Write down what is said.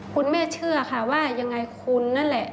คุณแม่เชื่อค่ะว่ายังไงคุณนั่นแหละ